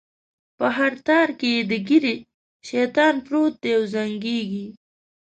په هر تار کی یې د ږیری؛ شیطان سپور دی او زنګیږی